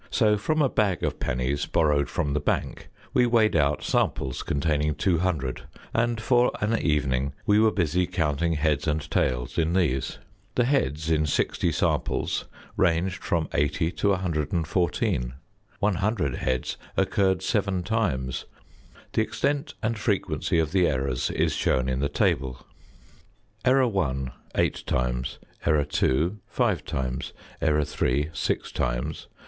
So from a bag of pennies borrowed from the bank, we weighed out samples containing two hundred, and for an evening we were busy counting heads and tails in these. The heads in sixty samples ranged from 80 to 114. One hundred heads occurred seven times. The extent and frequency of the errors is shown in the table. +++++ Error.|No. of |Error.|No. of |Error.|No. of | Times.| | Times.| | Times.